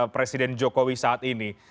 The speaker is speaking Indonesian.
presiden jokowi saat ini